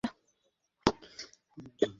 আমাদের উপকারকারী দীর্ঘজীবী হোক।